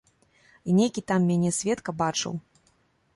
І нейкі там мяне сведка бачыў.